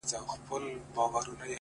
که نه وي خپل پردي’ ستا په لمن کي جانانه’